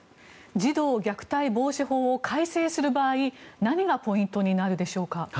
児童虐待防止法を改正する場合何がポイントになるでしょうか。